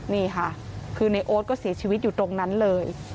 นี่ค่ะคือในโอ๊ตก็เสียชีวิตอยู่ตรงนั้นเลย